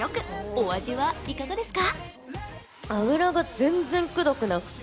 お味はいかがですか？